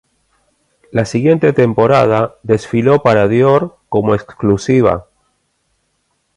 La siguiente temporada, desfiló para Dior como exclusiva.